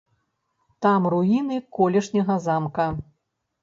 Там руіны колішняга замка.